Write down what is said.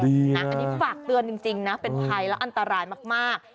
อันนี้ฝากเตือนจริงนะเป็นภัยและอันตรายมาก